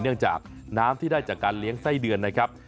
เนื่องจากน้ำที่ได้จากการเลี้ยงไส้เดือนนะครับ